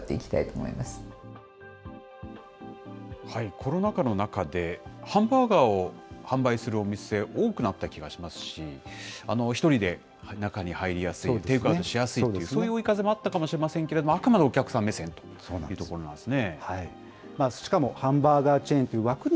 コロナ禍の中で、ハンバーガーを販売するお店、多くなった気がしますし、１人で中に入りやすい、テイクアウトしやすいという追い風もあったかも知りませんけど、あくまでお客さん目線というところなんですね。